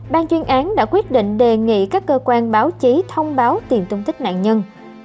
ban chuyên án đã quyết định đề nghị các cơ quan báo chí thông báo tìm tung tích nạn nhân